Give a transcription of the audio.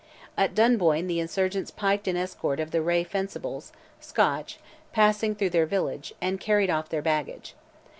At Dunboyne the insurgents piked an escort of the Reay Fencibles (Scotch) passing through their village, and carried off their baggage.